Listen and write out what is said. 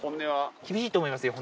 厳しいと思いますよ